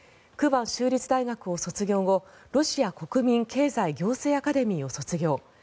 クバン州立大学を卒業後ロシア国民経済行政アカデミーを卒業。